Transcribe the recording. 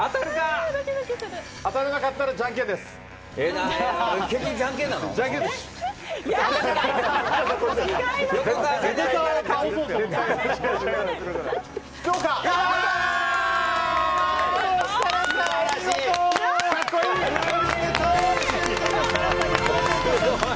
当たらなかったらじゃんけんです。素晴らしい。